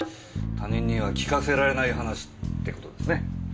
他人には聞かせられない話って事ですね。